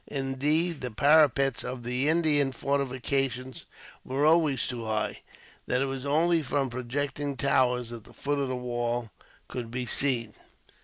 Indeed, the parapets of the Indian fortifications were always so high, that it was only from projecting towers that the foot of the wall could be seen.